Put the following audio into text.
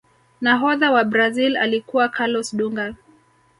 nahodha wa brazil alikuwa carlos dunga